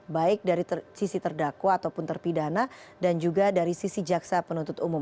baik dari sisi terdakwa ataupun terpidana dan juga dari sisi jaksa penuntut umum